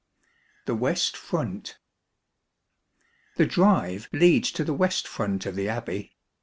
The West Front. The drive leads to the west front of the Abbey.